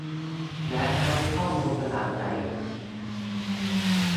และใช้ข้อมูลขนาดใหญ่